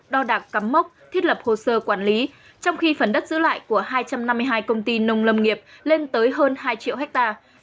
đo đạc cắm mốc thiết lập hồ sơ quản lý trong khi phần đất giữ lại của hai trăm năm mươi hai công ty nông lâm nghiệp lên tới hơn hai triệu hectare